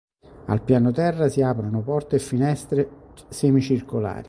Al piano terra si aprono porte e finestre semicircolari.